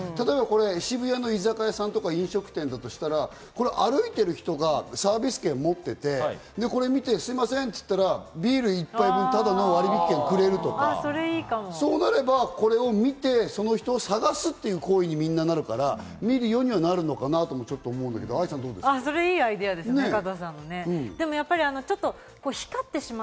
渋谷の居酒屋さんとか、飲食店だとしたら、歩いてる人がサービス券持ってて、これ見て、すみませんって言ったらビール１杯分タダの割引券くれるとか、そうなれば、これを見て、その人を探すっていう行為にみんななるから、見るようにはなるのかなってちょっと思うんだけど、どうですか。